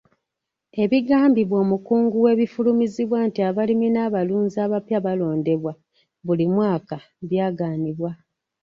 Ebigambibwa omukungu w'ebifulumizibwa nti abalimi n'abalunzi abapya balondebwa buli mwaka byagaanibwa.